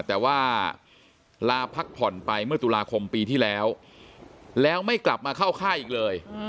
แต่ว่าลาพักผ่อนไปเมื่อตุลาคมปีที่แล้วแล้วไม่กลับมาเข้าค่ายอีกเลย